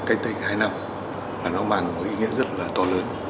cách đây hai năm là nó mang một ý nghĩa rất là to lớn